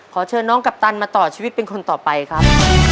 ขอเชิญน้องกัปตันมาต่อชีวิตเป็นคนต่อไปครับ